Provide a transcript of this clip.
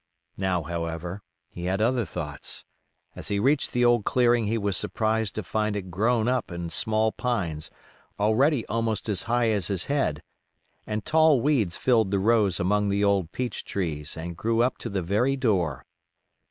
Now, however, he had other thoughts; as he reached the old clearing he was surprised to find it grown up in small pines already almost as high as his head, and tall weeds filled the rows among the old peach trees and grew up to the very door.